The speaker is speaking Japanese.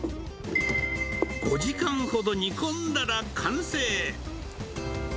５時間ほど煮込んだら完成。